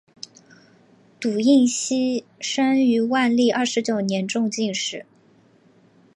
堵胤锡生于万历二十九年中进士。